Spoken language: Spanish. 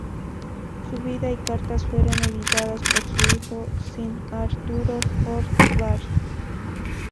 Su vida y cartas fueron editadas por su hijo, sir Arturo Hort, Bart.